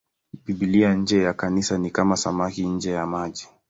Biblia nje ya Kanisa ni kama samaki nje ya maji.